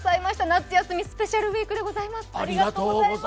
夏休みスペシャルウイークでございます。